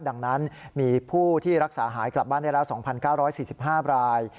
ดังนั้นมีผู้ที่รักษาหายกลับบ้านได้แล้ว๒๙๔๕ราย